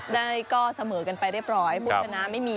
ได้ก็เสมอกันไปเรียบร้อยผู้ชนะไม่มี